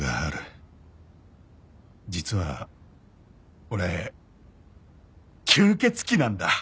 「実は俺吸血鬼なんだ！」